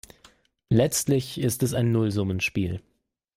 Letztlich ist es ein Nullsummenspiel.